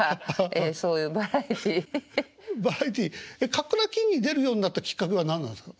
「カックラキン」に出るようになったきっかけは何なんすか？